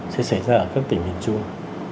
sẽ xảy ra ở các tỉnh miền trung